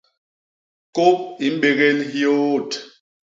Kôp i mbégél hyôôt.